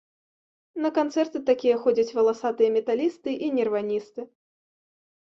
На канцэрты такія ходзяць валасатыя металісты і нірваністы.